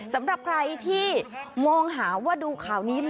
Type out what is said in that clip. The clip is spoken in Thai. สำหรับใครที่มองหาว่าดูข่าวนี้แล้ว